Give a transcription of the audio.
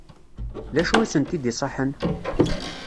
D acu i sent-d-iṣaḥen?